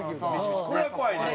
「これ怖いねん」